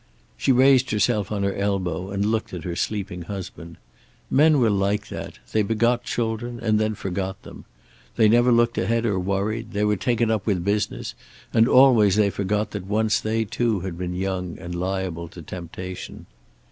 She raised herself on her elbow and looked at her sleeping husband. Men were like that; they begot children and then forgot them. They never looked ahead or worried. They were taken up with business, and always they forgot that once they too had been young and liable to temptation.